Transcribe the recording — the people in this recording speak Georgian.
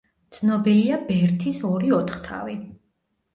ცნობილია ბერთის ორი ოთხთავი.